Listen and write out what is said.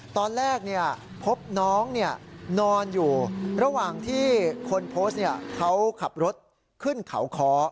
ตอนแรกพบน้องนอนอยู่ระหว่างที่คนโพสต์เขาขับรถขึ้นเขาคอ